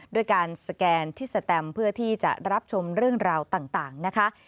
ด้วยการสแกนทิศสแตมเพื่อที่จะรับชมเรื่องราวต่างนะคะ